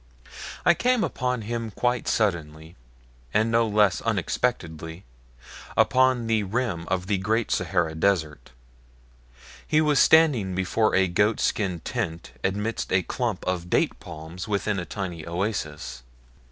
I came upon him quite suddenly, and no less unexpectedly, upon the rim of the great Sahara Desert. He was standing before a goat skin tent amidst a clump of date palms within a tiny oasis.